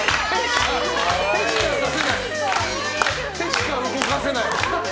手しか動かせない。